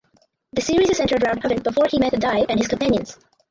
The series is centered around Avan before he met Dai and his companions.